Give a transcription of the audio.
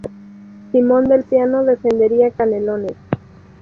Simón del Pino defendería Canelones.